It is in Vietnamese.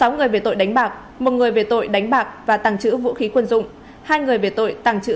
sáu người về tội đánh bạc một người về tội đánh bạc và tàng trữ vũ khí quân dụng hai người về tội tàng trữ